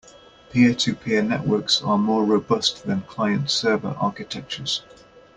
Peer-to-peer networks are more robust than client-server architectures.